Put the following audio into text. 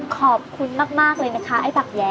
ขอบคุณมากเลยนะคะไอ้บักแย้